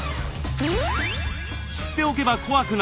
知っておけば怖くない。